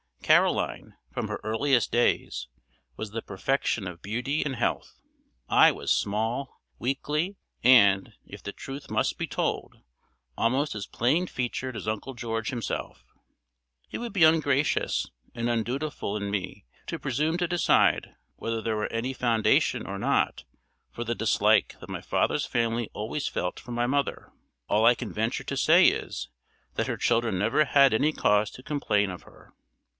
Caroline, from her earliest days, was the perfection of beauty and health. I was small, weakly, and, if the truth must be told, almost as plain featured as Uncle George himself. It would be ungracious and undutiful in me to presume to decide whether there was any foundation or not for the dislike that my father's family always felt for my mother. All I can venture to say is, that her children never had any cause to complain of her.